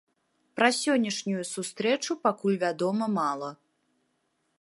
Пра сённяшнюю сустрэчу пакуль вядома мала.